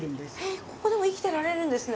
えっここでも生きてられるんですね？